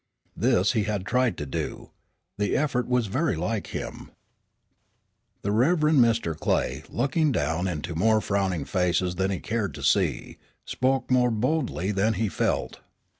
This he had tried to do. The effort was very like him. The Rev. Mr. Clay, looking down into more frowning faces than he cared to see, spoke more boldly than he felt.